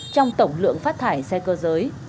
trong tổng lượng phát thải xe cơ giới